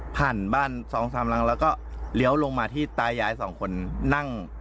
ผ่านบ้านสองสามหลังแล้วก็เลี้ยวลงมาที่ตายายสองคนนั่ง